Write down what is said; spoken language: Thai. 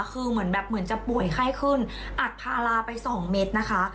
คือเหมือนจะป่วยไข้ขึ้นอัดพาราไป๒เมตรนะคะ